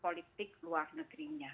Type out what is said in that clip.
prioritas politik luar negerinya